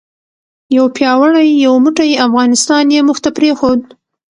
یو پیاوړی یو موټی افغانستان یې موږ ته پرېښود.